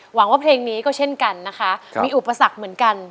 หวังว่าเพลงนี้ก็เช่นกันนะคะมีอุปสรรคเหมือนกัน